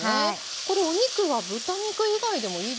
これお肉は豚肉以外でもいいですか？